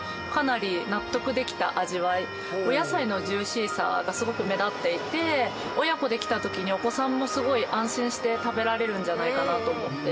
お野菜のジューシーさがすごく目立っていて親子で来た時にお子さんもすごい安心して食べられるんじゃないかな？と思って。